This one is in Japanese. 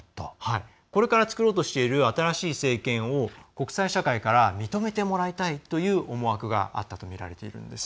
これから作ろうとしている新しい政権を国際社会から認めてもらいたいという思惑があったとみられているんです。